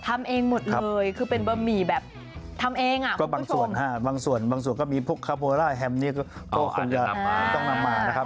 ทำเองหมดเลยคือเป็นบะหมี่แบบทำเองอ่ะก็บางส่วนฮะบางส่วนบางส่วนก็มีพวกคาโบร่าแฮมนี่ก็คงจะต้องนำมานะครับ